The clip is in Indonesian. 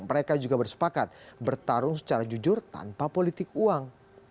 mereka juga bersepakat bertarung secara jujur tanpa politik uang